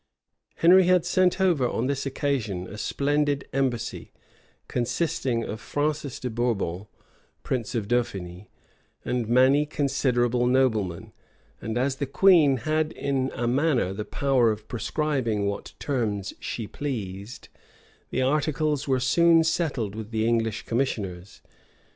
Henry had sent over, on this occasion, a splendid embassy, consisting of Francis de Bourbon, prince of Dauphiny, and many considerable noblemen; and as the queen had in a manner the power of prescribing what terms she pleased, the articles were soon settled with the English commissioners.